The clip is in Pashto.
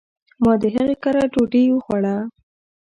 ما د هغي کره ډوډي وخوړه